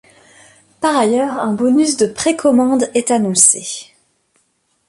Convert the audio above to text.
Par ailleurs, un bonus de précommande est annoncé.